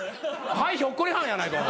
「はいひょっこりはん」やないか。